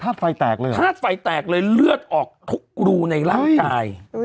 ไฟแตกเลยเหรอธาตุไฟแตกเลยเลือดออกทุกรูในร่างกาย